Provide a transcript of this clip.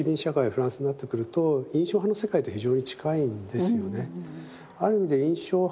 フランスになってくると印象派の世界と非常に近いんですよね。